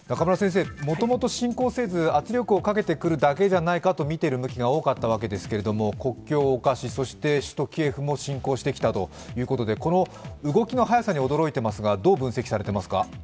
もともと侵攻せず圧力をかけてくるだけじゃないかと見ている向きも多かったんですが、国境を侵し、そして首都キエフも侵攻してきたということでこの動きの速さに驚いていますがどう分析されていますか？